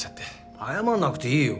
謝んなくていいよ。